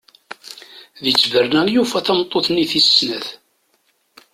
Di tberna i yufa tameṭṭut-nni tis snat.